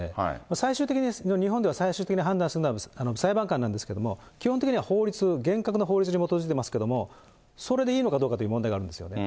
最終的に、日本では最終的に判断するのは裁判官なんですけども、基本的には法律、厳格な法律に基づいていますけど、それでいいのかどうかという問題がありますよね。